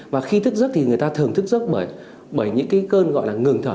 và khi thức giấc thì người ta thưởng thức giấc bởi những cái cơn gọi là ngừng thở